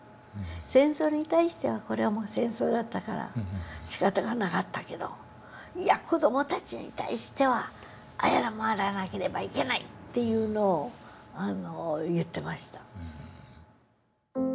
戦争に対してはこれはもう戦争だったからしかたがなかったけどいや子どもたちに対しては謝らなければいけない」というのを言ってました。